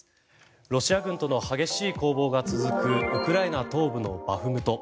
ロシア軍との激しい攻防が続くウクライナ東部のバフムト。